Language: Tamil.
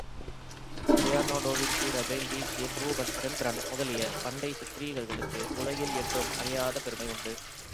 லியார்னாடோவின்சி, ரபேல், டிஷியன், ரூபன், ரெம்பிராண்ட் முதலிய பண்டைச் சித்ரீகர்களுக்கு உலகில் என்றும் அழியாத பெருமை உண்டு.